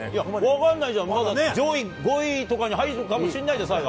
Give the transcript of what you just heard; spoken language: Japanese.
分かんないじゃん、まだね、上位５位とかに入るかもしれないじゃん、佐賀。